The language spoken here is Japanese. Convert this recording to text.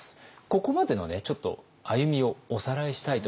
ここまでの歩みをおさらいしたいと思います。